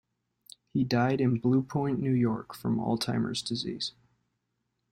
He died in Blue Point, New York from Alzheimer's Disease.